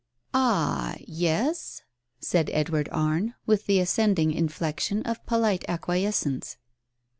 "Ah— yes!" said Edward Arne, with the ascending inflection of polite acquiescence.